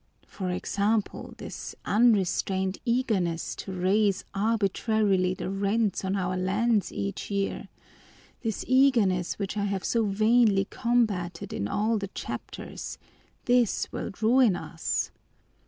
For example, this unrestrained eagerness to raise arbitrarily the rents on our lands each year, this eagerness which I have so vainly combated in all the chapters, this will ruin us!